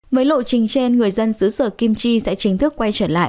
với lộ trình trên người dân xứ sở kim chi sẽ chính thức quay trở lại